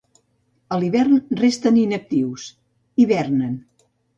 A l'hivern resten inactius, hivernen.